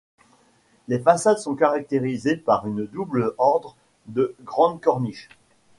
Les façades sont caractérisées par une double ordre de grandes corniches.